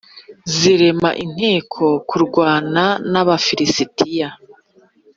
bīrema inteko kurwana n’Abafilisitiya.